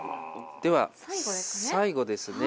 では最後ですね。